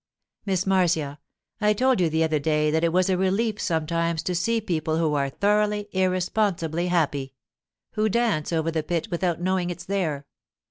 'Miss Marcia, I told you the other day that it was a relief sometimes to see people who are thoroughly, irresponsibly happy; who dance over the pit without knowing it's there.